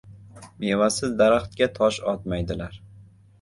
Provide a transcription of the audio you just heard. • Mevasiz daraxtga tosh otmaydilar.